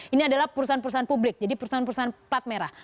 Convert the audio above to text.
ini adalah perusahaan perusahaan publik jadi perusahaan perusahaan plat merah